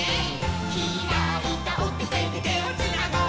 「ひらいたオテテでてをつなごう」